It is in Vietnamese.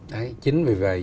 đấy chính vì vậy